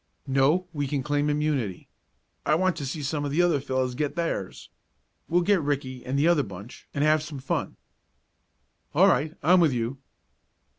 "No, we can claim immunity. I want to see some of the other fellows get theirs. We'll get Ricky and the other bunch and have some fun." "All right; I'm with you."